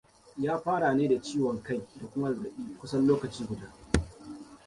ya fara ne da ciwon kai da kuma zazzaɓi kusan lokaci guda